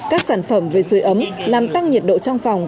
các sản phẩm về dưới ấm làm tăng nhiệt độ trong phòng